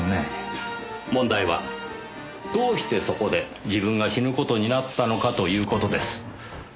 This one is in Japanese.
問題はどうしてそこで自分が死ぬ事になったのかという事です。